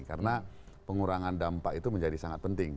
karena pengurangan dampak itu menjadi sangat penting